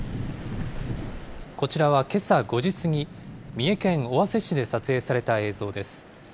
こちらはけさ５時過ぎ、三重県尾鷲市で撮影された映像です。